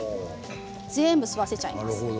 全部、吸わせちゃいます。